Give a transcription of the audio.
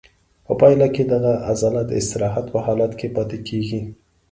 په پایله کې دغه عضله د استراحت په حالت کې پاتې کېږي.